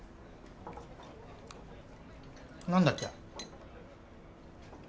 何だっけ？